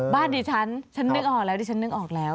บ้านดิฉันฉันนึกออกแล้วดิฉันนึกออกแล้ว